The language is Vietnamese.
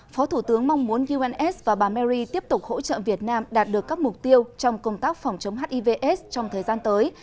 phó thủ tướng mong muốn uns và bà mary tiếp tục hỗ trợ việt nam đạt được các mục tiêu trong công tác phòng chống hiv aids trong thời gian tới